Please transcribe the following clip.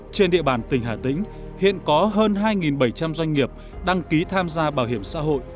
trên địa bàn tỉnh hà tĩnh hiện có hơn hai bảy trăm linh doanh nghiệp đăng ký tham gia bảo hiểm xã hội